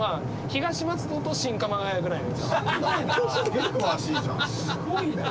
すごいな。